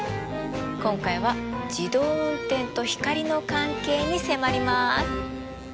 今回は自動運転と光の関係に迫ります！